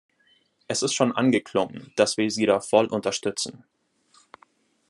Es ist schon angeklungen, dass wir Sie da voll unterstützen.